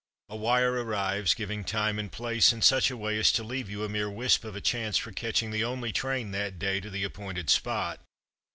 A wire arrives giving time and place in such a way as to leave you a mere wisp of a chance for catching the only train that day to the appointed spot.